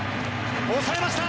抑えました！